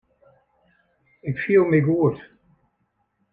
Ik fiel my goed.